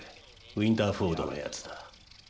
ウィンターフォードのやつだ。